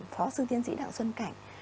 phó sư tiến sĩ thằng xuân cảnh